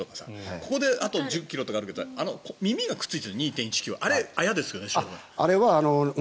ここであと１０ｋｍとかあるけど耳がくっついてあれ、あやですよね。